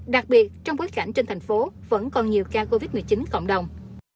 đặc biệt trong bối cảnh trên thành phố vẫn còn nhiều ca covid một mươi chín cộng đồng